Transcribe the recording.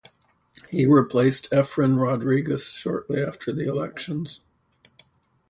He replaced Efren Rodriguez shortly after the elections.